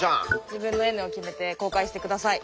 自分のＮを決めて公開して下さい。